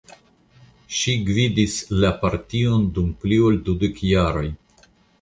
Ŝi gvidis la partion dum pli ol dudek jaroj.